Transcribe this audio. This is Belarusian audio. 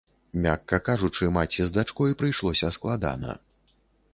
Мякка кажучы, маці з дачкой прыйшлося складана.